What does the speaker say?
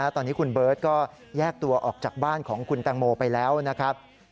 ตอนนี้คุณเบิร์ตก็แยกตัวออกจากบ้านของคุณแตงโมไปแล้วนะครับ